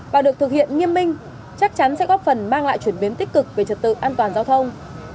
và được thực hiện nghiêm minh chắc chắn sẽ góp phần mang lại chuyển biến tích cực về trật tự an toàn giao thông